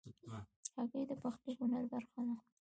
هګۍ د پخلي هنر برخه ده.